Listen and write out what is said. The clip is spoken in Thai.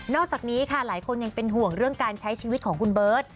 อกจากนี้ค่ะหลายคนยังเป็นห่วงเรื่องการใช้ชีวิตของคุณเบิร์ต